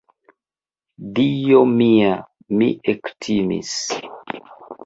Dio mia!, mi ektimis!